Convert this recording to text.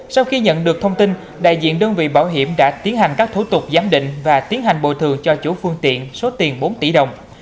sau khi nhận được thông tin đại diện đơn vị bảo hiểm đã tiến hành các thủ tục giám định và tiến hành bồi thường cho chủ phương tiện số tiền bốn tỷ đồng